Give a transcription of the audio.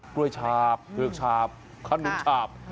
กล้วยชาปกล้วยชาปขนุนชาป